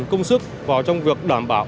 công sức vào trong việc đảm bảo